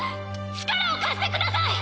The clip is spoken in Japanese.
力を貸してください！